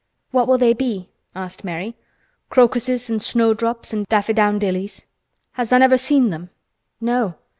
"What will they be?" asked Mary. "Crocuses an' snowdrops an' daffydowndillys. Has tha' never seen them?" "No.